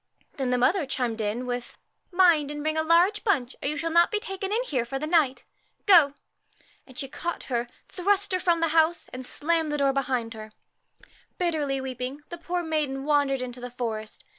Then the mother chimed in with, ' Mind and bring a large bunch, or you shall not be taken in here for the night. Go!' and she caught her, thrust her from the house, and slammed the door behind her. Bitterly weeping, the poor maiden wandered into the forest.